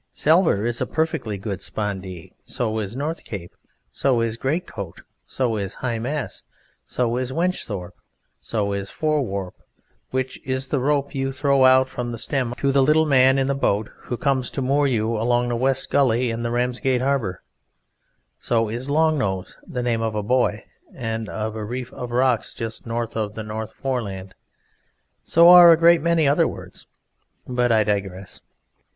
Salver is a perfectly good spondee; so is North Cape; so is great coat; so is High Mass; so is Wenchthorpe; so is forewarp, which is the rope you throw out from the stem to the little man in the boat who comes to moor you along the west gully in the Ramsgate Harbour; so is Longnose, the name of a buoy, and of a reef of rocks just north of the North Foreland; so are a great many other words. But I digress.